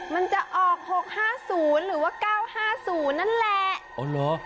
มันจะออก๖๕๐หรือว่า๙๕๐นั่นแหละ